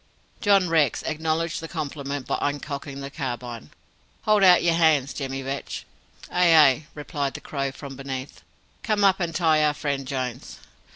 John Rex acknowledged the compliment by uncocking the carbine. "Hold out your hands! Jemmy Vetch!" "Ay, ay," replied the Crow, from beneath. "Come up and tie our friend Jones.